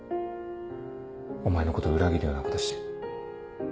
お前のこと裏切るようなことして。